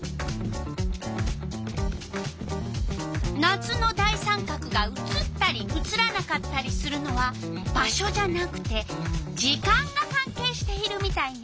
夏の大三角が写ったり写らなかったりするのは場所じゃなくて時間がかんけいしているみたいね。